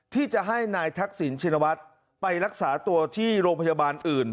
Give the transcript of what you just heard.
ที่จะให้นายทักษิณชินวัฒน์ไปรักษาตัวที่โรงพยาบาลอื่น